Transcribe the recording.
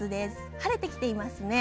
晴れてきていますね。